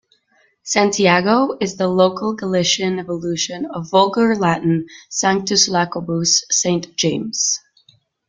"Santiago" is the local Galician evolution of Vulgar Latin "Sanctus Iacobus" "Saint James".